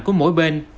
của mỗi bên